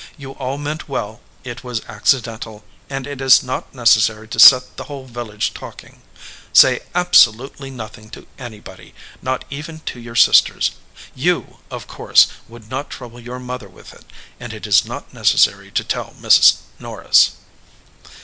You all meant well. It was accidental, and it is not necessary to set the whole village talking. Say absolutely noth ing to anybody, not even to your sisters. You, of course, would not trouble your mother with it, and it is not necessary to tell Miss Norris."